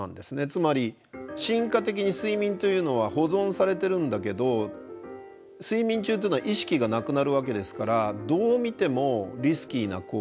つまり進化的に睡眠というのは保存されてるんだけど睡眠中というのは意識がなくなるわけですからどう見てもリスキーな行動。